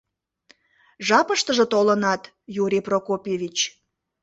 — Жапыштыже толынат, Юрий Прокопьевич.